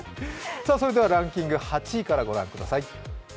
それではランキング、８位からご覧ください。